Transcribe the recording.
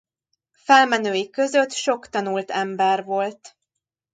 Felmenői között sok tanult ember volt.